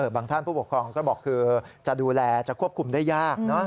ท่านผู้ปกครองก็บอกคือจะดูแลจะควบคุมได้ยาก